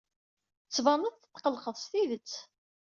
Tettbaneḍ-d tetqellqeḍ s tidet.